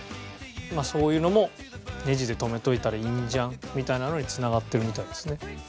そういうのもネジで留めておいたらいいんじゃんみたいなのに繋がってるみたいですね。